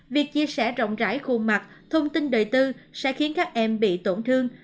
việc chia sẻ rộng rãi khuôn mặt thông tin đời tư sẽ khiến các em bị tổn thương